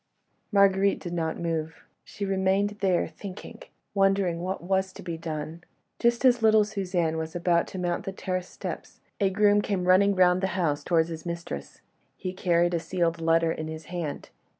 Marguerite did not move, she remained there, thinking ... wondering what was to be done. Just as little Suzanne was about to mount the terrace steps, a groom came running round the house towards his mistress. He carried a sealed letter in his hand.